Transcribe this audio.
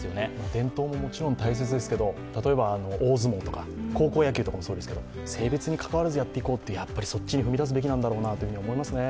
伝統ももちろん大切ですけど、例えば大相撲とか高校野球とかもそうですけど性別にかかわらずやっていこう、やっぱりそっちに踏み出すべきなんだなと思いますね。